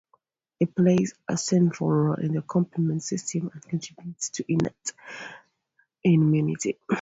It plays a central role in the complement system and contributes to innate immunity.